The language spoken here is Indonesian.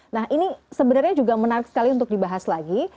nah ini sebenarnya juga menarik sekali untuk dibahas lagi